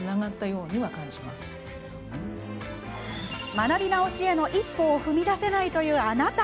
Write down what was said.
学び直しへの一歩を踏み出せないというあなた。